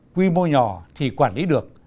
quy mô nhỏ thì quản lý được